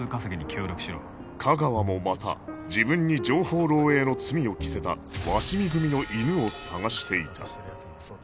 実は架川もまた自分に情報漏洩の罪を着せた鷲見組の犬を捜していた